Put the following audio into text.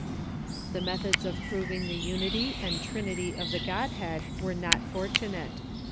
The methods of proving the unity and trinity of the God head were not fortunate.